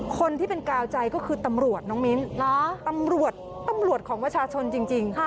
คนที่เป็นกล่าวใจก็คือตำรวจน้องมิ้นตำรวจของวชาชนจริง